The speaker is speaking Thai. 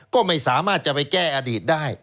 ก็ไม่สามารถจะไปแก้อดีตได้